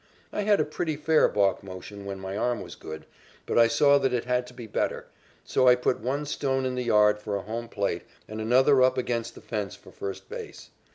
I had a pretty fair balk motion when my arm was good, but I saw that it had to be better, so I put one stone in the yard for a home plate and another up against the fence for first base.